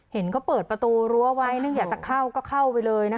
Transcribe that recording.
เห็นก็เปิดประตูรั้วไว้นึกอยากจะเข้าก็เข้าไปเลยนะคะ